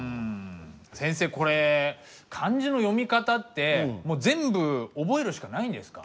先生これ漢字の読み方ってもう全部覚えるしかないんですか？